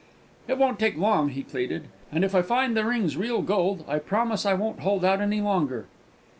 "It won't take long," he pleaded; "and if I find the ring's real gold, I promise I won't hold out any longer."